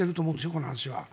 この話は。